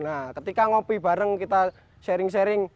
nah ketika ngopi bareng kita sharing sharing